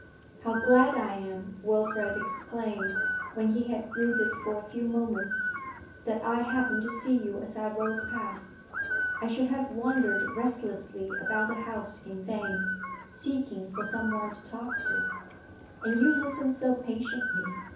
'How glad I am,' Wilfrid exclaimed when he had brooded for a few moments, 'that I happened to see you as I rode past! I should have wandered restlessly about the house in vain, seeking for some one to talk to. And you listen so patiently.